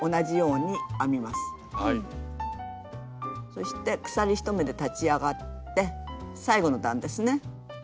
そして鎖１目で立ち上がって最後の段ですね